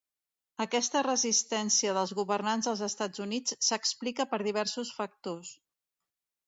Aquesta resistència dels governants dels Estats Units s'explica per diversos factors.